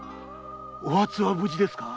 お初は無事ですか？